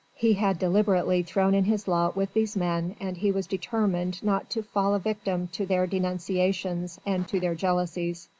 He had deliberately thrown in his lot with these men and he was determined not to fall a victim to their denunciations and to their jealousies.